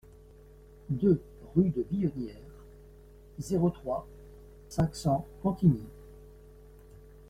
deux rue de Billonnière, zéro trois, cinq cents Contigny